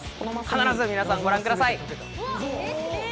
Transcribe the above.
必ず皆さんご覧ください。